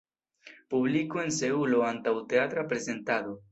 Publiko en Seulo antaŭ teatra prezentado.